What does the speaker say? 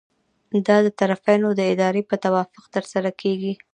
دا د طرفینو د ارادې په توافق ترسره کیږي.